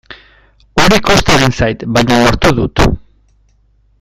Hori kosta egin zait, baina lortu dut.